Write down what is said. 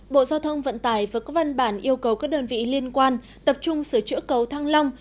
bộ giao thông vận tải vừa có văn bản yêu cầu các đơn vị liên quan tập trung sửa chữa cầu thăng long